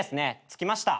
着きました。